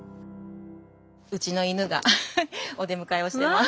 うちの犬がお出迎えをしてます。